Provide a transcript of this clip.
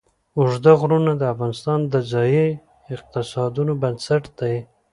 اوږده غرونه د افغانستان د ځایي اقتصادونو بنسټ دی.